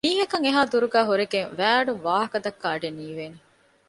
މީހަކަށް އެހާ ދުރުގައި ހުރެގެން ވައިއަޑުން ވާހަކަ ދައްކާ އަޑެއް ނީވޭނެ